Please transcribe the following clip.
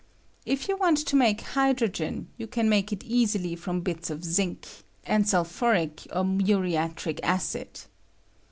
If you want to make hydrogen, you can make it easily from bits of zinc, and sulphuric or muriatic acid.